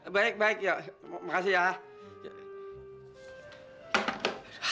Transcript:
baik baik makasih ya